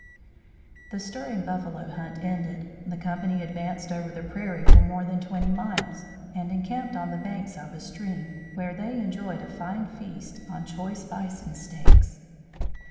The stirring buffalo hunt ended, the company advanced over the prairie for more than twenty miles, and encamped on the banks of a stream, where they enjoyed a fine feast on choice bison steaks.